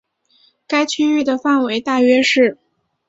该区域的范围大约是。